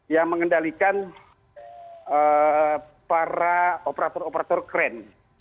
yang mengendalikan para operator operator kren